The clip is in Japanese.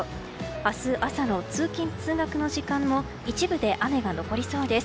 明日朝の通勤・通学の時間も一部で雨が残りそうです。